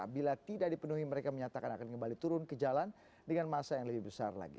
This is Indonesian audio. bila tidak dipenuhi mereka menyatakan akan kembali turun ke jalan dengan masa yang lebih besar lagi